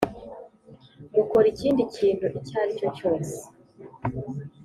Mukora ikindi kintu icyo ari cyo cyose